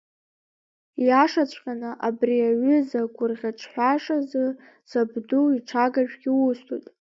Иашаҵәҟьаны, абри аҩыза агәырӷьаҿҳәашазы, сабду иҽагажәгьы усҭоит.